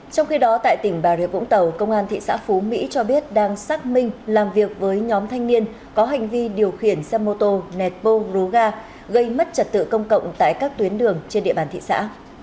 trong khi đó tại tỉnh bà rịa vũng tàu công an thị xã phú mỹ cho biết đang xác minh làm việc với nhóm thanh niên có hành vi điều khiển xe mô tô nẹt bô rú ga gây mất trật tự công cộng tại các tuyến đường trên địa bàn thị xã